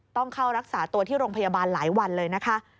ต้องเข้ารักษาตัวที่โรงพยาบาลหลายวันเลยนะคะ